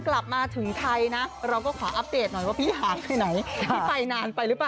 กลับที่ในไหนมา